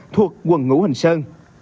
thuộc quần ngũ hành sơn